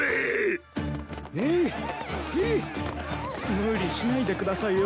無理しないでくださいよ。